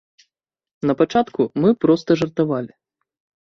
На пачатку мы проста жартавалі.